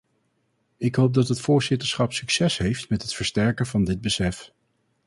Ik hoop dat het voorzitterschap succes heeft met het versterken van dit besef.